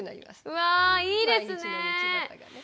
うわいいですね。